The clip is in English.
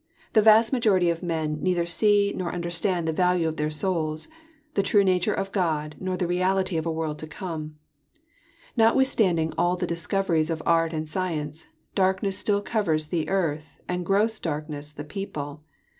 The vast majority of men neither see nor understand the value of their souls, the true nature of God, nor the reality of a world to come I Notwithstanding all the discoveries of art and science, ^^ darkness still covers the earth, and gross darkness the people."